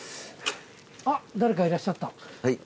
あっ誰かいらっしゃった。